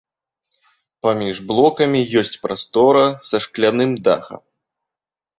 Паміж блокамі ёсць прастора са шкляным дахам.